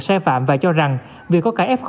sai phạm và cho rằng vì có cả f